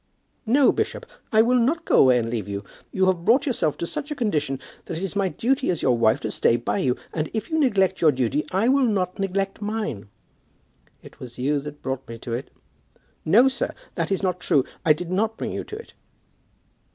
"No, bishop, I will not go away and leave you. You have brought yourself to such a condition that it is my duty as your wife to stay by you; and if you neglect your duty, I will not neglect mine." "It was you that brought me to it." "No, sir, that is not true. I did not bring you to it."